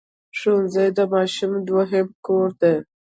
ښوونځی د ماشوم دوهم کور دی